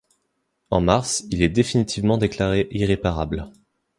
En mars, il est définitivement déclaré irréparable.